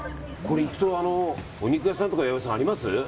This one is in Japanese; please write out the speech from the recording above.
お肉屋さんとか八百屋さんあります？